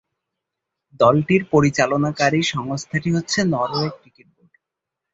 দলটির পরিচালনাকারী সংস্থাটি হচ্ছে নরওয়ে ক্রিকেট বোর্ড।